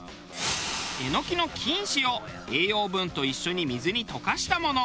エノキの菌糸を栄養分と一緒に水に溶かしたもの。